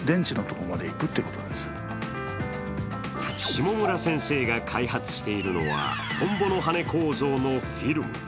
下村先生が開発しているのはトンボの羽構造のフィルム。